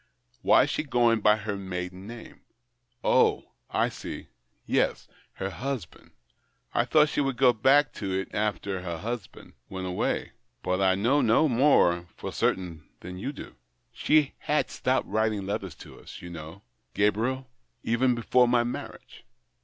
" Why is she going by her maiden name ? Oh, I see — yes, her husband." " I thought she would go back to it after her husband — went away, but I know no more for certain than you do. She had stopped writing letters to us, you know, Gabriel, even before my marriage.